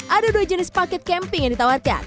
ada dua jenis paket camping yang ditawarkan